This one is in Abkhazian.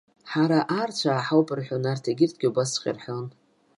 Ҳара аарцәаа ҳауп рҳәон арҭ, егьырҭгьы убасҵәҟьа рҳәон.